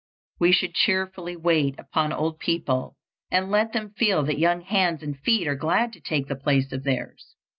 We should cheerfully wait upon old people, and let them feel that young hands and feet are glad to take the place of theirs.